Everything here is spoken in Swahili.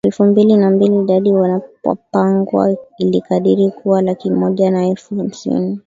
elfu mbili na mbili dadi ya Wapangwa ilikadiriwa kuwa laki moja na elfu hamsini